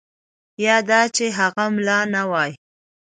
یا دا چې هغه ملا نه وای.